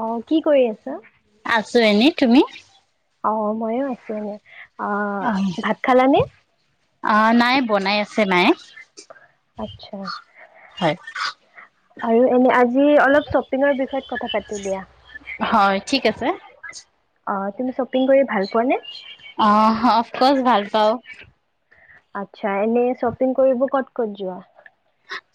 আহ, কি কৰি আছা? আছো এনেই তুমি? অ' মইয়ো আছো আনে। অ' অহ। ভাত খালানে? অ' নাই বনাই আছে মায়ে। আচ্ছা', হয়। আৰু এনে আজি আজি অলপ শ্বপিংৰ বিষয়ত কথা পাতো দিয়া। হয় ঠিক আছে অ' তুমি শ্বপিং কৰি ভাল পোৱা নে? আহ, অফকৰ্চ ভাল পাওঁ‌। আচ্ছা, এনে চপিং কৰিব কট-কট যোৱা?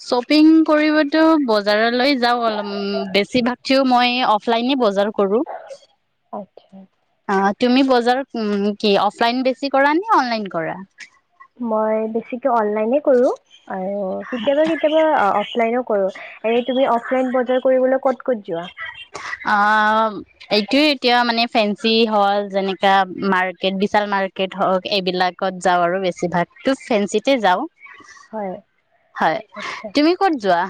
শ্বপিং কৰিবতো বজাৰলৈ যাওঁ, অলব বেছিভাগ থও মই অফলাইনে বজাৰ কৰো। আচ্ছা, অ' তুমি বজাৰ কি অফলাইন বেছি কৰা নে অনলাইন কৰা। মই বেছিকে অনলাইন আৰু কেতিয়াবা-কেতিয়াবা অলাইনো কৰো এ তুমি অফলাইন বজাৰ কৰিবলৈ ক'ত-ক'ত যোৱা। অ' এইটো এতিয়া মানে ফেঞ্চি হল, যেনেকা মাৰ্কেট বিশাল মাৰ্কেট, হওক এইবিলাকত যাওঁ আৰু বেছিভাগো ফেঞ্চিতে যাওঁ। হয়, হয়। আচ্ছা', তুমি ক'ত যোৱা?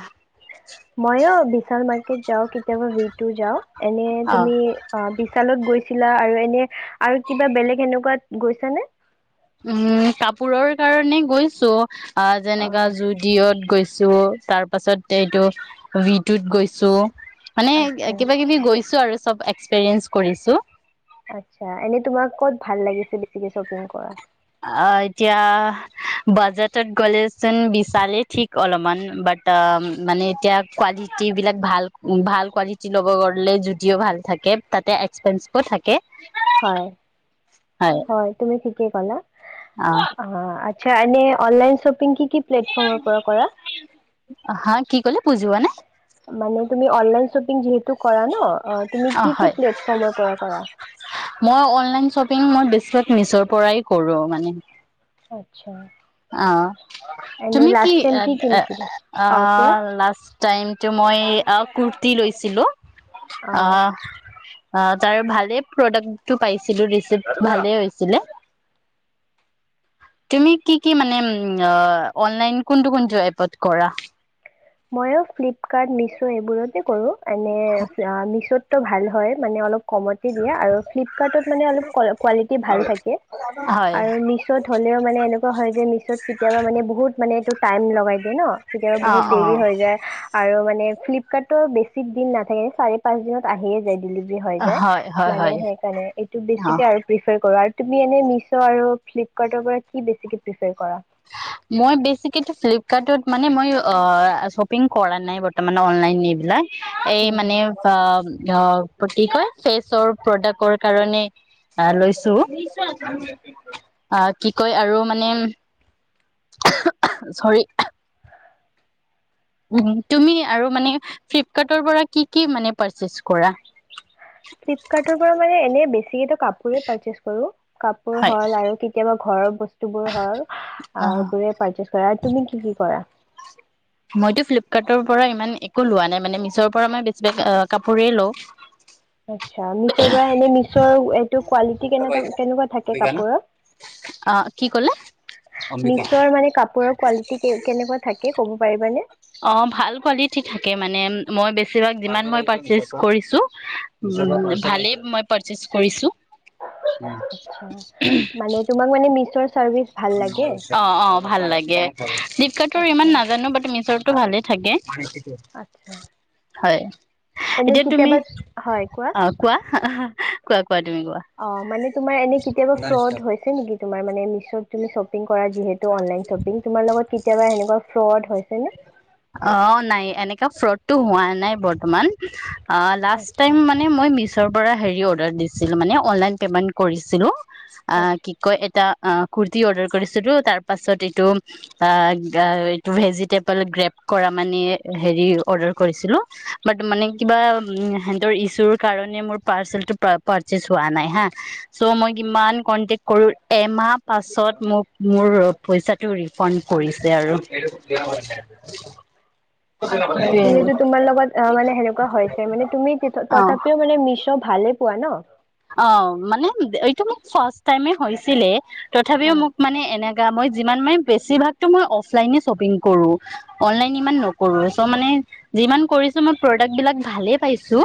মইো বিশাল ম যও, কিু [unintelligible] কেতিয়াবাটো যাওঁ‌, এনে অ তুমি বি চালত গৈছিলা আৰু এনে আৰু কিবা বেলেগ এনেকুৱাত গৈছ নে? উম, কাপোৰৰ কাৰণে গৈছো। আহ, অ যেনেকা জুদিয়ত গৈছোঁ। তাৰ পাছত এইটো ভি টোত গৈছো। মানে আচ্ছা কিবা কিবি গৈছো আৰু। চব এক্সপেৰিয়েন্ঞ্চ কৰিছো। আচ্ছা এনে তোমাক ক'ত ভাল লাগিছিল বেছিকে শ্বপিং কৰা। অ', এতিয়া বাজেটত গ'লেচোন বিচালেই ঠিক অলপমান বাট মানে এতিয়া কোৱালিট বিলাক ভাল ভাল কোৱালিটি ল'ব গলে জুদিও ভাল থাকে তাতে এক্সপেঞ্চিভো থাকে। হয় হয় তুমি। কি কলা? অ' আত। শ্বানিয়ে অননলাইন শ্বপিং কি? কি প্লেটফৰ্মৰ পৰা কৰা হা কি ক'লে বুজিবানে। মানে তুমি অনলাইন শপিং যিহেতু। কৰা ন! তুমি অ কি কি হয় প্লেটফৰ্মৰ পৰা কৰা? মই অনলাইন শ্বপিং মই বেছিভাগ মিছৰ পৰাই কৰো মানে। আচ্ছা! অ'। এনে তুমি কি, লাষ্ট টাইম কিনিছিলা অ কোৱা আহ লাষ্টটাইমটো মই ক দি লৈছিলোঁ। অ আহ! অ তাৰ ভালেই প্ৰডাক্টটো পাইছিলো ৰিচিভ ভালেই হৈছিলে। তুমি কি কি মানে উম অনলাইন কোনটো কোনটো এপত কৰা? ময়ো ফ্লিপকাৰ্ট, মিছ এইবোৰতে কৰো। এনে মিছত। টো ভাল হয় মানে অলপ- কমতে দিয়ে আৰু ফ্লিপকাৰ্টত মানে অলপ কোৱালিটি ভাল থাকে, হয়, আৰু মিছ'ত হ'লেও মানে এনেকুৱা হয় যে মিছ'ত কেতিয়াবা মানে বহুত মানে এইটো- টাইম লগাই দিয়ে ন? কেতিয়াবা অ', বহুত- দেৰি অ', হৈ যায় আৰু মানে- ফ্লিপকাৰ্টটো বেছি দিন নথাকে চাৰি পাঁচ দিনত আহিয়ে যায় ডিলি- ডিলিভাৰি হৈ যায় হয়, হয়, মানে হয়। সেইকাৰণে এইটো অ', বেছিকে আৰু প্ৰিফাৰ কৰাৰ- তুমি এনে মিছ' আৰু ফ্লিপকাৰ্টৰ পৰা কি বেছিকে প্ৰিফাৰ কৰা। মই বেছিকে ফ্লিপকাৰ্টত মানে মই শ্বপিং কৰা নাই বৰ্তমানত অনলাইন এইবিলাক। এই উম। মানে অ, ধ- প্ৰতি কয় ফেচৰ প্ৰডাক্টৰ কাৰণে, আহ লৈছো, আহ কি কয় আৰু মানে- চৰি- উম তুমি আৰু মানে ফ্লিপকাৰ্টৰ পৰা কি কি মানে পাৰ্ছেজ কৰা? ফ্লিপকাৰ্টৰ পৰা মানে এনে বেছি ত। কাপোৰে পাৰ্চেছ কৰো। কাপোৰ হয় হ'ল আৰু কেতিয়াবা- ঘৰৰ বস্তু। বুো হয় অ', এইবোৰে পাৰ্চেজ কৰা আৰু তুমি কি কি কৰা? মইতো ফ্লিপকাৰ্টৰ পৰা ইমান একো লোৱা নাই মানে মিছৰ পৰা মই বেছি ব কাপোৰেই লওঁ। আচ্ছা, মিছ পৰাই এনেই মিচৰ এটো কোৱালিটি কেনেকুৱা কেনেকুৱা থাকে কাপোৰৰ, অ', কি ক'লে মিচৰ মানে কাপোৰৰ কোৱালিটি কেনেকুৱা থাকে কব পাৰিবানে? অ ভাল কোৱালিটি থাকে মানে মই বেছিভাগ যিমান মই পাৰ্ছেচ কৰিছো, ভালেই মই পা কৰিছো। মানে তোমাক মানে মিছৰ- চাৰ্ভিচ ভাল লাগে অ অ ভাল লাগে, ফ্লিপকাৰ্টৰ আচ্ছা ইমান নাজানো বাট মিছৰ- টো ভালে থাকে। ম আচ্ছা [inaudible] হয়। এনে এতিয়া তুমি কেতিয়াবা হয় কোৱা, কোৱা কোৱা তুমি কোৱা অ মানে তোমাৰ এনে কেতিয়াবা ফ্লদ হৈছে নেকি? তোমাৰ মানে মিছত তুমি শ্বপিং কৰা যিহেতু অনলাইন শ্বপিং তোমাৰ লগত কেতিয়াবা এনেকুৱা ফ্ৰড- হৈছে নে? অ নাই এনেকা ফ্ৰড। টো হোৱা নাই বৰ্তমান। অ লাষ্ট টাইম আচ্ছা মানে মই মছ। পৰা হেৰি অৰ্ডাৰ দিছিল মানে অনলাইন পেমেন্ট কৰিছিলো। অ, কি আচ্ছা। কয় এটা। অ, কুৰ্তি অৰ্ডাৰ কৰিছিলো তাৰ পাছত এইটো অ এইটো ভেজ। তিাল গ্ৰেপ কৰা মানে হেৰি অৰ্ডাৰ কৰিছিলোঁ বাট মানে কিবা সিহতৰ ইছুৰ কাৰণে মোৰ পাৰ্চেলটো পাৰ্চজ হোৱা নাই হা, চ' মই কিমান কনটেকট কৰোঁ এমাহ পাছত মোক মোৰ পইচাটো ৰিফাণ্ড কৰিছে আৰু [unintelligible] আচ্ছা, যিহেতু তোমাৰ লগত অ মানে সেনেকুৱা হৈছে মানে তুমি তথাপিও মানে মিছ ভালে। পোৱা ন? অ, মানে এইটো মোক ফাৰ টাইম হৈছিলে। তথাপিও হয় মোক মানে এনে। মই যিমান মানে বেছিভাগতো মই অফলাইনে শ্বপিং কৰো, অনলাইনে ইমান নকৰো চ' মানে যিমান কৰিছো মই প্ৰডাক্ট বিলাক ভালে পাইছো।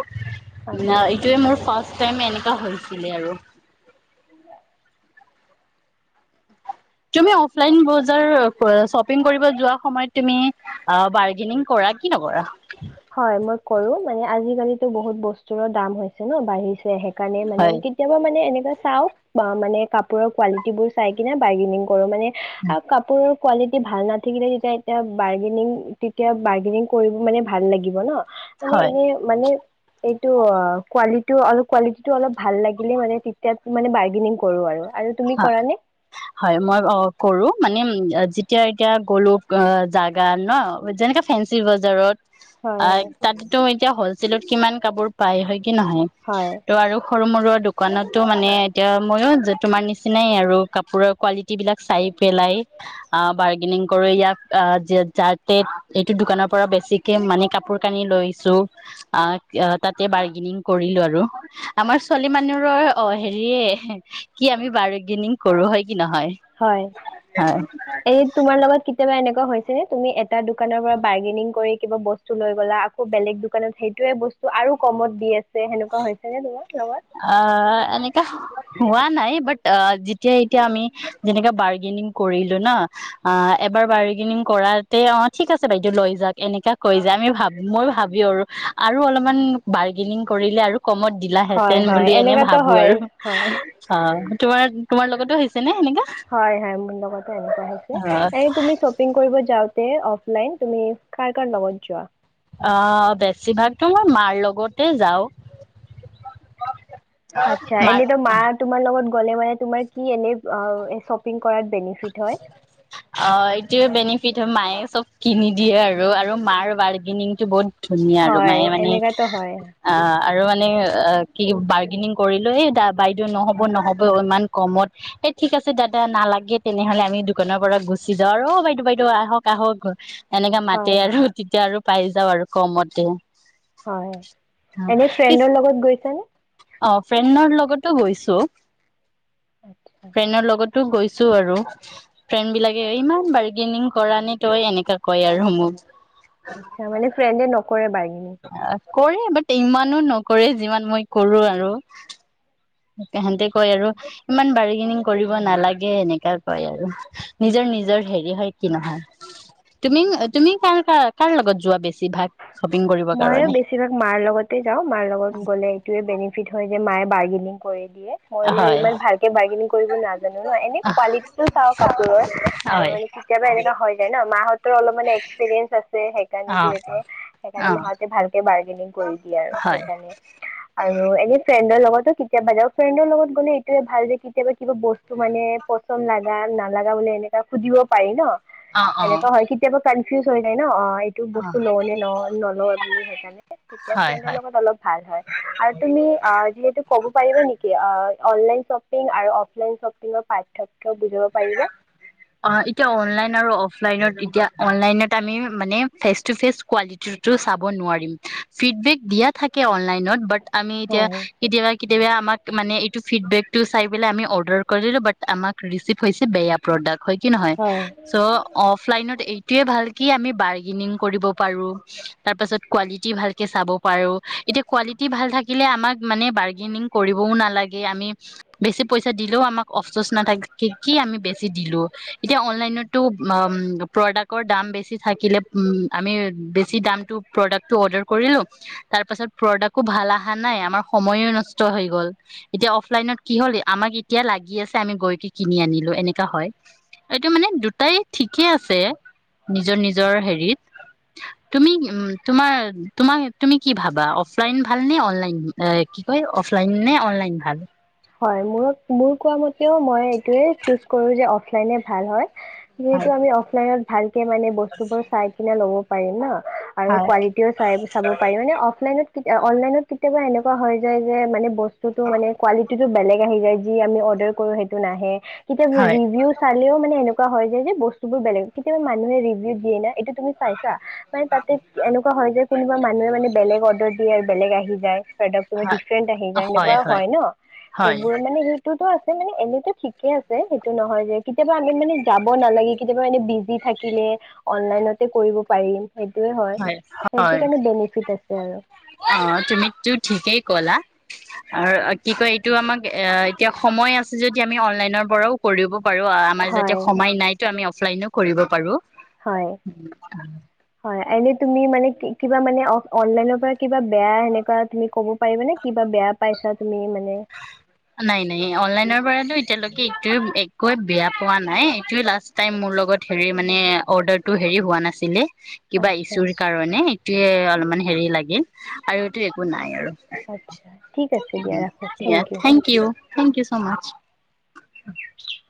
ন, আচ্ছা। এইটোৱে মোৰ ফাৰ্ষ্ট। [unintelligible] হৈছিলে আৰু। তুমি অফলাইন বজাৰ শ্বপিং কৰিব যোৱা সময়ত তুমি বাৰ্গেনিং কৰা কি নকৰা, হয়, মই কৰো মানে আজিকালি। টো বহুত বস্তুৰৰ দাম হৈছে ন বাহিছে। সেইকাৰণে মানে হয় কেতিয়াবা মানে এনে। চাও বা মানে কাপোৰৰ কোৱালিটি বোৰ চাই কিনে বাৰ্গেনিং কৰো মানে। আৰু কাপোৰৰ। কোৱালিটি ভাল নাথাকিলে তেতিয়া এতিয়া বাৰ্গেনিং তেতিয়া বাৰ্গেনিং কৰিব মানে। ভাল লাগিব ন। মানে হয় এনে মানে। এইটো অ, কোৱালিটো অলপ কুৱালিটিটো অলপ ভাল লাগিলে মানে তেতিয়া মানে বাৰ্গেনিং কৰো আৰু। আৰু তুমি হয় কৰা নে? হয়, মই অ কৰো মানে। যেতিয়া এতিয়া গ'লো অ জাগা ন যেনেকে ফেঞ্চি বজাৰত। হয়, আই হয়, তাত টো এতিয়া হল। কিমান কাপোৰ পায় হয়। কি নহয় হয়, ত' আৰু [unintelligible] সৰু মৰু দোকানতো মানে এতিয়া ময়ো। যে তোমাৰ নিচিনা। আৰু কাপোৰৰ কোৱালিট বিলাক চাই পেলাই আহ বাৰ্গেনিং কৰো ইয়াক যাতে। এইটো দোকানৰ পৰা বেছিকে মানে। কপোৰ কানি লৈ আহিছোঁ, তাতে বাৰ্গেনিং কৰিলো আৰু আমাৰ ছোৱালী মানে, হেৰি কি আমি বাৰ- গেনিং কৰো হয়- কি নহয় হয়, হয় এই তোমাৰ লগত কেতিয়াবা এনেকুৱা হৈছ- তুমি এটা দোকানৰ পৰা বাৰ্গেনিং কৰি কিবা বস্তু লৈ গলা আকৌ বেলেগ দোকানত সেইটোয়ে বস্তু আৰু কমত দি আছে। সেনেকুৱা হৈছে নে তোমাৰ লগত? অ এনেকা হোৱা- নাই বাট যেতিয়া এতিয়া আমি যেনেকে বাৰ্গেনিং কৰিলো ন, এবাৰ বাৰ্গেনিং কৰাতে অ ঠিক আছে বাইদেউ লৈ যাওক এনে কৈ যে মই ভাবো আৰু, আৰু অলপ বাৰ্গেনিং- কৰিলে আৰু- কমত হয় দিলাহেঁতেন হয় বুলি এনে এনেকাতো ভাবো হয় আৰু হয়। অ তোমাৰ- তোমাৰ লগতো হৈছে নে? সেনেকা হয় হয়, মোৰ লগতে এনেকুৱা হৈছে এ তুমি শ্বপিং কৰিব যাও- তে অফলাইন তুমি কাৰ কাৰ লগত যোৱা? আহ, বেছিভাগতো মই মাৰ লগতে যাওঁ। আচ্ছা, মাৰ এনেতো মা তোমাৰ লগত- গলে মানে তোমাৰ কি এনে শ্বপিং- কৰাত বেনিফিট হয়? অ এইটোয়ে বেনিফিট হয় মায়ে- চব কিনি দিয়ে আৰু, আৰু মাৰ বাৰ্গেনিংটো বহুত- ধুনীয়া আৰু হয় মায়ে মানে এনেকাতো হয়। অ- আৰু মানে কি, বাৰ্গেনিং কৰিলো এই দা বাইদেউ নহ'ব নহ'ব ইমান কমত এই ঠিক আছে দাদা নালাগে- তেনেহলে আমি দোকানৰ পৰা গুচি যাওঁ ৰ বাইদেউ বাইদেউ আহক আহক- এনেকা হয় মাতে আৰু তেতিয়া আৰু- পাই যাওঁ আৰু কমতে। হয়, এনে ফ্ৰেণ্ডৰ লগত গৈছানে? অ ফ্ৰেণ্ডৰ লগতো গৈছো। আচ্ছা। ফ্ৰেণ্ডৰ লগতো গৈছে- আৰু ফ্ৰেণ্ড বিলাকে ইমান বাৰ্গেনিং কৰা নে তই এনেকা কয় আৰু মোক। আচ্ছা, মানে ফ্ৰেণ্ড ন- কৰে বাৰ্গেইনিং। কৰে, বাট ইমানো নকৰে যিমান মই কৰো আৰু- সিহতে কয় আৰু ইমান বাৰ্গেনিং কৰিব নালাগে এনেকা কয় আৰু, নিজৰ নিজৰ হেৰি হয় কি নহয়, তুমি তুমি কাৰ কাৰ কাৰ লগত যোৱা বেছিভাগ? শ্বপিং কৰিবৰ মই কাৰণে বেছিভাগ মাৰ লগতে যাও মাৰ লগত গলে এইটোৱে বেনিফিট হয় - মাই বাৰ্গেনিং কৰে মই মানে হয় ইমান ভালকৈ ৰ্বাগেনিং কৰিব নাজানো, এনেই কুৱালিতিতো তো চাওঁ আৰু হয় কেতিয়াবা এনেকা হয় যায় ন মা অলপ মানে এক্সপেৰিয়েঞ্চ আছে সেইকাৰণে অ অ সেই মাহতে ভালকে বাৰ্গেনিং কৰি দিয়ে আৰু হয় সেইকাৰণে আৰু এনে- ফ্ৰেন্ডৰ লগতো কেতিয়াবা যাওঁ ফ্ৰেণ্ডৰ লগত গলে এইটোয়ে ভাল যে কেতিয়াবা কিবা বস্তু মানে পচন্দ লাগা নালাগা বোলে এনেকুৱা সুধিব পাৰি ন। অ অ এনেকুৱা হয় কেতিয়াবা চা- কনফিউজড হৈ যাই ন অঁ এইটো অ বস্তু হয়নে নহয় বুলি সেইকাৰণে তেতিয়া হয় ফ্ৰেণ্ডৰ হয় লগত অলপ ভাল হয় আৰু তুমি যিহেতু ক'ব পাৰিব নেকি অনলাইন শ্বপিং আৰু অফলাইন শ্বপিংৰ পাৰ্থক্য বুজাব পাৰিবা। অঁ এতিয়া অনলাইন আৰু অফলাইনত এতিয়া অনলাইনত আমি মানে ফেচ ট ফেচ কোৱিটিটো চাব নোৱাৰিম ফিডবেক দিয়া থাকে অনলাইন ত বাদ আমি হয় এতিয়া কেতিয়াবা আমাক মানে এইটো ফিডবেকটো চাই পেলাই আমি অৰ্ডাৰ কৰিলোঁ বাট আমাক ৰিচিভ হৈছে বেয়া প্ৰডাক্ট হয় কি নহয় হয় চ' অফলাইনত এইটোয়ে ভাল কি আমি বাৰ্গেনিং কৰিব পাৰো তাৰ পাছত কোৱালিটি ভালকে চাব পাৰো এতিয়া কোৱালিটি ভাল থাকিলে আমাক মানে বাৰ্গেনিং কৰিবও নালাগে আমি বেছি পইচা দিলেও আমাক অফচচ নাথাকে কি আমি বেছি দিলো। প্ৰৰদাক দাম বেছি থাকিলে উম আমি বেছি দাম টো প্ৰদাকতো অদাৰ কৰি লওঁ তাৰ পাছত প্ৰদাকতো ভাল অহা নাই আমাৰ সময়ো নষ্ট হৈ গল এতিয়া অফলাইনত কি হল আমাক এতিয়া লাগি গৈ কিনি আনিলো এনেকুৱাই হয়। এইটো মানে দুটাই ঠিকে আছে নিজৰ নিজৰ হেৰিত তুমি তোমাৰ তুমি কি ভাবা অফলাইন ভাল নে অনলাইন কি কয় অফলাইন নে অনলাইন ভাল? হয় মোৰক মোৰ কোৱা মত মই এইটোয়ে চুজ কৰো যে অফলাইন ভাল হয়। যিহেতু হয় আমি অফলাইনত ভালকে মানে বস্তু বোৰ চাই কিনে লব। হয় নহ আৰু কোৱালিটিও চাই চাব পাৰি মানে অফলাইনত অনলাইনত কেতিয়াবা এনেকুৱা হৈ যায় যে মানে বস্তু কিন্ত মানে কুৱা বেলেগে আহি যদি আমি অৰ্ডাৰ কৰো সেইটো নাহে কেতিয়াবা হয় ৰিভিউ চালেও মানে এনে। কোৱা হয় যদিও বস্তু বোৰ বেলেগ। কেতিবা মানুহে ৰিভিউ দিয়ে, এইটো তুমি চাইছা, মানে তাতে এনেকুৱা হয় যে, কোনোবা মানুহে মানে বেলেগ অৰ্ডাৰ দিয়ে। বেলেগ আহি যায়। প্ৰডাক্টবোৰ হয় ডিফাৰেণ্ট আহি যায় সেনেকুৱা হয় ন। হয় সেইবোৰ মানে সেইটোত আপুনি এনেটো ঠিকে আছে। সেইটো নহয় যে কেতিয়াবা আমি মানে যাব নালাগে। কেতিয়াবা এনে বিজি থাকিলে অনলাইনতে কৰিব পাৰিম সেদ। হয়! হয়! আছে আৰু অ তুমিটো ঠিকেই কলা। আৰ কি কয় এইটো আমাক এ এতিয়া সময় আছে যদি আমি অনলাইনৰ পৰাও কৰিব। পাৰো। আমাৰ যাতে হয় সমায় নাইতো আমি অফলাইনও কৰিব পাৰো। হয়! হয়! এলিদ। তুমি মানে, কিবা মানে অফ অনলাইনৰ পৰা কিবা বেয়া সেনেকুৱা তুমি ক'ব। পাৰিবা নে? কিবা বেয়া পাইছা তুমি মানে। এতিলোকে এইটোৱ একোৱে বেয়া পোৱা নাই। এইোৱ লাষ্ট টাইম মোৰ লগত হেৰি মানে অৰ্ডাৰটো হেৰি হোৱা নাছিলে। কিবা আচ্ছা ইছ্যুৰ কাৰণে। টোয়ে অলপমান হেৰি লাগিল আৰু এইটো একো নাই আৰু। আচ্ছা ঠিক আছে দিয়া ৰাখো thank you thank you so মচ। [unintelligible]